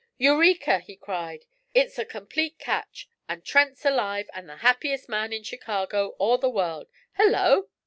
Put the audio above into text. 'Eureka!' he cried. 'It's a complete catch; and Trent's alive, and the happiest man in Chicago, or the world. Hello!'